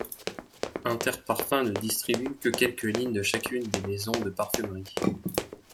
Interparfums ne distribue que quelques lignes de chacune des maisons de parfumerie.